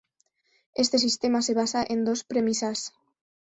Este sistema se basa en dos premisas.